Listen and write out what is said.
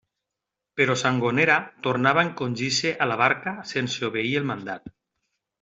Però Sangonera tornava a encongir-se a la barca sense obeir el mandat.